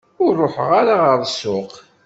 Ur ruḥeɣ ara ɣer ssuq.